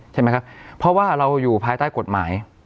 ใช่ไหมครับเพราะว่าเราอยู่ภายใต้กฎหมาย